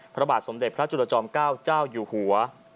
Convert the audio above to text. พระบาทสมเด็จพระจุลจอมเก้าเจ้าอยู่หัว